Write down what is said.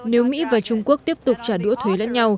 nếu mỹ và trung quốc tiếp tục trả đũa thuế lên